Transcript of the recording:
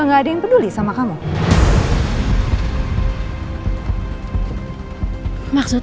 nggak ada yang peduli sama sekali sama kamu ya